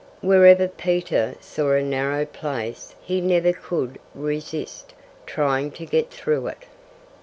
Wherever Peter saw a narrow place he never could resist trying to get through it.